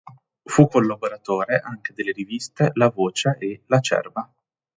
Fu collaboratore anche delle riviste La Voce e Lacerba.